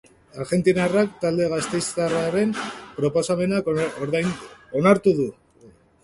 Argentinarrak talde gasteiztarraren proposamena onartu du.